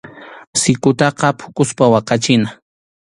Sikutaqa phukuspa waqachina.